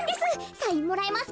サインもらえますか？